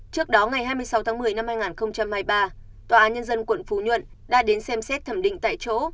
trước đó ngày hai mươi sáu tháng một mươi năm hai nghìn hai mươi ba tòa án nhân dân quận phú nhuận đã đến xem xét thẩm định tại chỗ